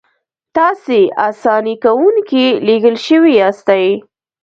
تاسې اساني کوونکي لېږل شوي یاستئ.